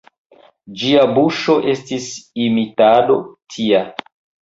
Ĝia buŝo estis imitado tia.